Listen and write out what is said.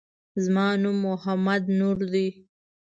زما نوم محمد نور دی